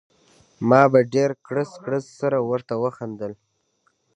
ما په ډېر کړس کړس سره ورته وخندل.